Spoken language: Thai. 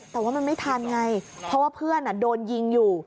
แต่ว่ามันไม่ทันไงเพราะว่าเพื่อนโดนยิงอยู่